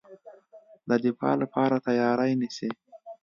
د دفاع لپاره تیاری نیسي.